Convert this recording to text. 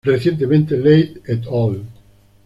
Recientemente, Leigh "et al.